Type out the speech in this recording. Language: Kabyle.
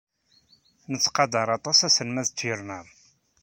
Nettqadar aṭas aselmad Turner.